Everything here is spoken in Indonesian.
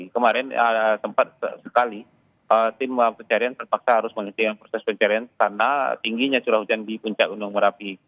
kemarin sempat sekali tim pencarian terpaksa harus menghentikan proses pencarian karena tingginya curah hujan di puncak gunung merapi